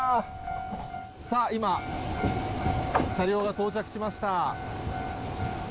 さあ今、車両が到着しました。